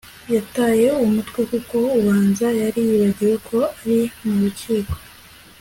yataye umutwe kuko ubanza yari yibagiwe ko ari mu rukiko